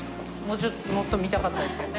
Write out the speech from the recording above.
もっと見たかったですけどね。